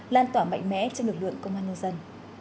lan tỏa mạnh mẽ trong lực lượng công an nhân dân